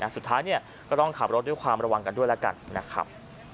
สุดท้ายก็ต้องขับรถด้วยความระวังกันด้วยแล้วกันนะครับ